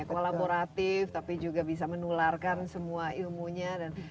kolaboratif tapi juga bisa menularkan semua ilmunya